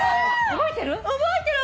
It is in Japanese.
覚えてる？